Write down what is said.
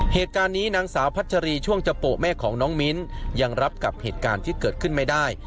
เหตุการณ์นี้นางสาวพัชรีช่วงจโปะแม่ของน้องมิ้นยังรับกับเหตุการณ์ที่เกิดขึ้นไม่ได้